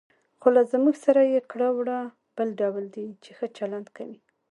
خو له موږ سره یې کړه وړه بل ډول دي، چې ښه چلند کوي.